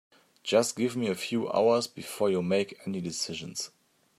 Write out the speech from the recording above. Just give me a few hours before you make any decisions.